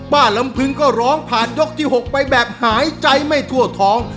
ลำพึงก็ร้องผ่านยกที่๖ไปแบบหายใจไม่ทั่วท้อง